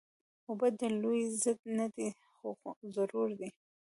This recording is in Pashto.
اوبه د لوږې ضد نه دي، خو ضرورت دي